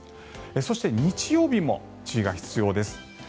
そして、日曜日も注意が必要です。